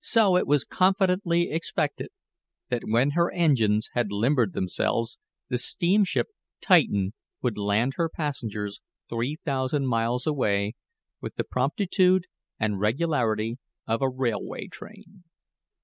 So, it was confidently expected that when her engines had limbered themselves, the steamship Titan would land her passengers three thousand miles away with the promptitude and regularity of a railway train.